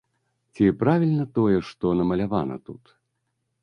Ці правільна тое, што намалявана тут?